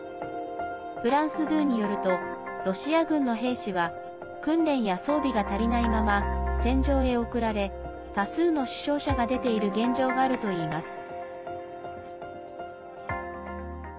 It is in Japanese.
フランス２によるとロシア軍の兵士は訓練や装備が足りないまま戦場へ送られ多数の死傷者が出ている現状があるといいます。